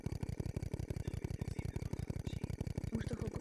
Stal se nejmladším hráče rezervním týmu Southamptonu.